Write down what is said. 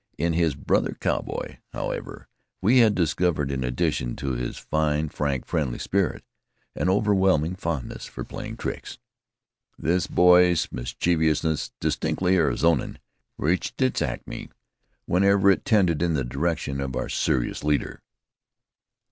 In his brother cowboy, however, we had discovered in addition to his fine, frank, friendly spirit, an overwhelming fondness for playing tricks. This boyish mischievousness, distinctly Arizonian, reached its acme whenever it tended in the direction of our serious leader.